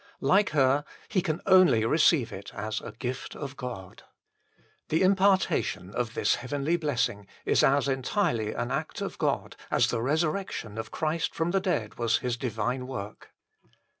1 Like her, he can only receive it as the gift of God. The impartation of this heavenly bless ing is as entirely an act of God as the resurrection of Christ from the dead was His divine work.